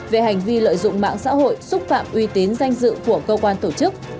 về hành vi lợi dụng mạng xã hội xúc phạm uy tín danh dự của cơ quan tổ chức